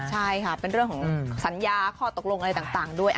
ใช่ค่ะเป็นเรื่องของสัญญาข้อตกลงอะไรต่างด้วย